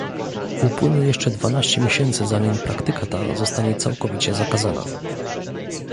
Upłynie jeszcze dwanaście miesięcy zanim praktyka ta zostanie całkowicie zakazana